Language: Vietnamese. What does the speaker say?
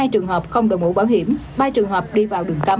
ba mươi hai trường hợp không đồng ủ bảo hiểm ba trường hợp đi vào đường cấm